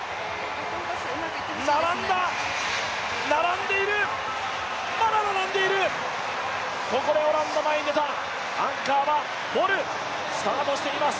バトンパス、うまくいってほしいですねまだ並んでいる、ここでオランダが前に出たアンカーはボル、スタートしています。